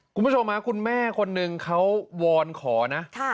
คุณผู้ชมคุณแม่คนหนึ่งเขาวอนขอนะ